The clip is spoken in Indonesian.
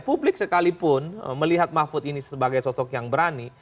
publik sekalipun melihat mahfud ini sebagai sosok yang berani